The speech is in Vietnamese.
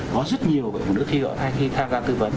có rất nhiều người phụ nữ thi gọi thai khi tham gia tư vấn